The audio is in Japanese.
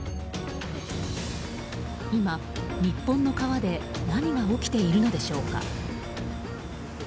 今、日本の川で何が起きているのでしょうか。